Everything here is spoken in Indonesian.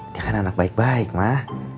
dia kan anak baik baik mak